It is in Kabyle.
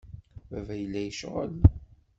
Baba yella yecɣel.